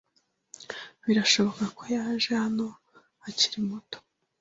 Birashoboka ko yaje hano akiri muto.